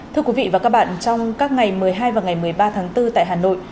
thưa quý vị và các bạn trong các ngày một mươi hai và ngày một mươi ba tháng bốn tại hà nội